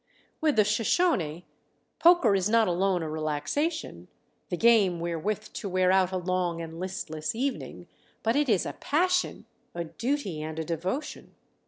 With the Shoshone, poker is not alone a relaxation, the game wherewith to wear out a long and listless evening, but it is a passion, a duty and a devotion.